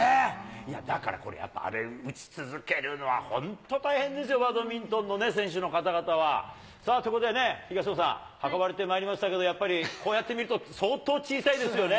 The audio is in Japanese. いや、だからこれやっぱ、打ち続けるのは、本当大変ですよ、バドミントンの選手の方々は。ということでね、東野さん、運ばれてまいりましたけど、やっぱりこうやって見ると、相当小さいですよね。